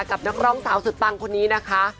นักร้องสาวสุดปังคนนี้นะคะ